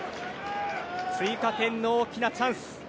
追加点の大きなチャンス。